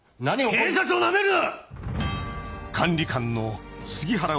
警察をナメるな！